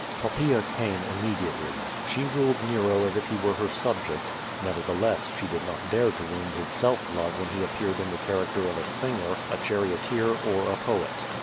Poppaea came immeoiately. She ruled Nero as if he were her subject. Nevertheless, she did not dare to wound hia aelf love when he appeared in the character of a singer, a charioteer, or a poet.